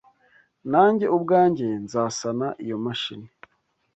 Nanjye ubwanjye nzasana iyo mashini.